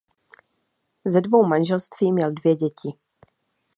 Ze dvou manželství měl dvě děti.